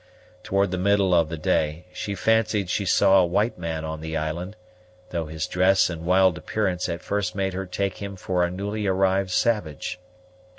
Toward the middle of the day, she fancied she saw a white man on the island, though his dress and wild appearance at first made her take him for a newly arrived savage.